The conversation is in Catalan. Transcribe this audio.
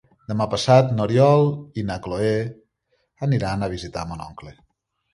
Demà passat n'Oriol i na Cloè aniran a visitar mon oncle.